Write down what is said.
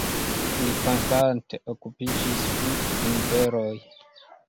Li konstante okupiĝis pri vinberoj.